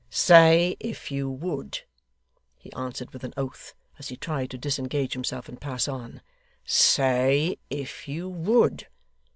'Say if you would,' he answered with an oath, as he tried to disengage himself and pass on. 'Say if you would.